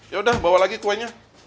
yaudah bawa lagi kuenya